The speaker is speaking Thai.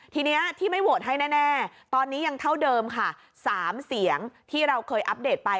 ทีนี้ที่ไม่โหวตให้แน่ตอนนี้ยังเท่าเดิมค่ะ๓เสียงที่เราเคยอัปเดตไป